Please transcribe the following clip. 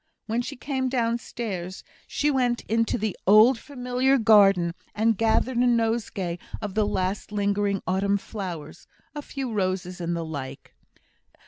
When she came downstairs she went into the old familiar garden and gathered a nosegay of the last lingering autumn flowers a few roses and the like.